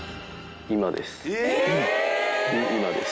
今です。